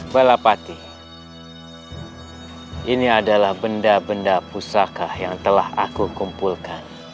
balapati ini adalah benda benda pusaka yang telah aku kumpulkan